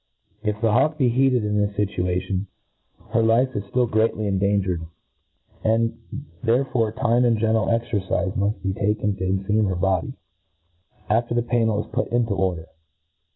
If the hawk be heated in this fitua^ tion, her life is ftill greatly endangered j and Aerrforc tmc and gentle cxercifc muft be ta^? ken to cnfisam .her l^ody, after the pannel is put into order.